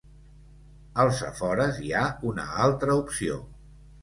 Als afores hi ha una altra opció.